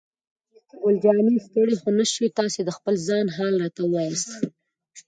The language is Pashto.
ګل جانې: ستړی خو نه شوې؟ تاسې د خپل ځان حال راته ووایاست.